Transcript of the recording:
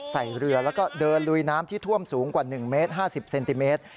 ใส่เรือแล้วก็เดินลุยน้ำที่ท่วมสูงกว่า๑เมตร๕๐เซนติเมตร